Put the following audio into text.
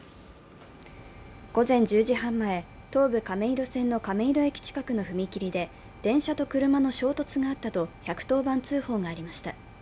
午前１０時半前、東武亀戸線の亀戸駅近くの踏切で、電車と車の衝突があったと１１０番通報がありました。